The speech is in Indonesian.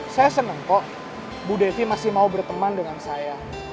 saya senang kok bu devi masih mau berteman dengan saya